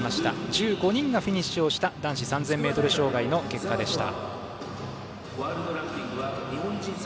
１５人がフィニッシュをした男子３０００ｍ障害の結果でした。